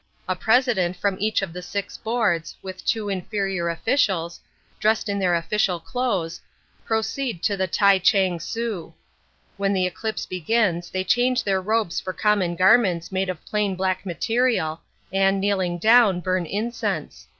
A president from each of the six boards, with two inferior officials, dressed in their official clothes, proceed to the T'ai Ch'ang Ssu. When the eclipse begins they change their robes for common garments made of plain black material, and kneeling down, burn incense.